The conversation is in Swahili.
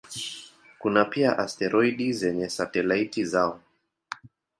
Kuna pia asteroidi zenye satelaiti zao.